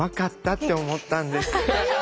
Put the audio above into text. って思ったんです。